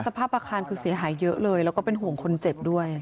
สภาพอาคารคือเสียหายเยอะเลยแล้วก็เป็นห่วงคนเจ็บด้วย